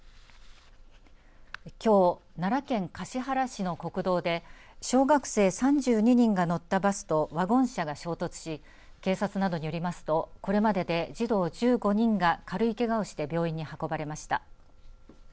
きょう、奈良県橿原市の国道で小学生３２人が乗ったバスとワゴン車が衝突し警察などによりますとこれまでで児童１５人が軽いけがをして病院に運ばれました。